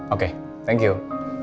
oke terima kasih